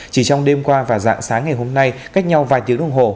chỉ trong đêm qua và dạng sáng ngày hôm nay cách nhau vài tiếng đồng hồ